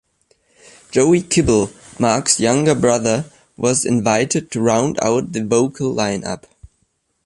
Joey Kibble, Mark's younger brother, was invited to round out the vocal lineup.